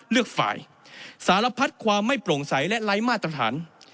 เลือกฝ่ายสารพัดความไม่โปร่งใสและไร้มาตรฐาน